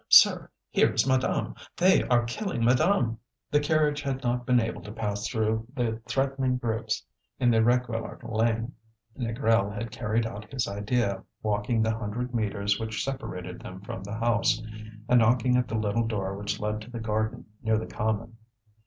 sir, here is madame! They are killing madame!" The carriage had not been able to pass through the threatening groups in the Réquillart lane. Négrel had carried out his idea, walking the hundred metres which separated them from the house, and knocking at the little door which led to the garden, near the common.